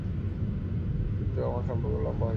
কিন্তু সম্পর্ক তেমন লম্বা হয়নি।